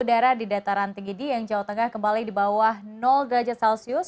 udara di dataran tinggi dieng jawa tengah kembali di bawah derajat celcius